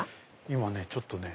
今ねちょっとね。